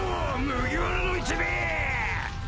麦わらの一味！